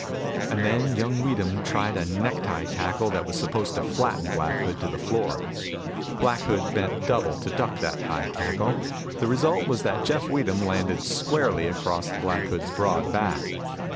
And then young Weedham tried a necktie tackle that was supposed to flatten Black Hood to the floor. Black Hood bent double to duck that high tackle. The result was that Jeff Weedham landed squarely across Black Hood's broad back.